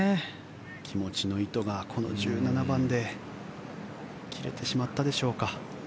気持ちの糸がこの１７番で切れてしまったでしょうか。